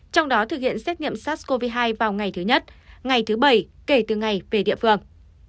trong đó thực hiện xét nghiệm sars cov hai vào ngày thứ nhất ngày thứ bảy kể từ ngày về địa phương